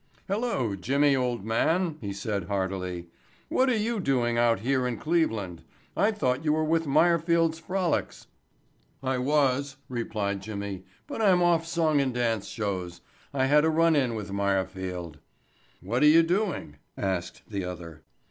"Hello, Jimmy, old man," he said heartily. "What are you doing out here in Cleveland? I thought you were with 'Meyerfield's Frolics'." "I was," replied Jimmy, "but I'm off song and dance shows. I had a run in with Meyerfield." "What are you doing?" asked the other.